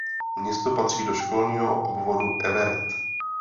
Město patří do školního obvodu Everett.